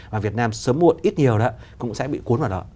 và việt nam sớm muộn ít nhiều đó cũng sẽ bị cuốn vào đó